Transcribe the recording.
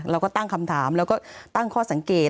เราก็ตั้งคำถามแล้วก็ตั้งข้อสังเกต